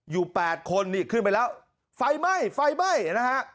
แปดคนนี่ขึ้นไปแล้วไฟไหม้ไฟไหม้นะฮะ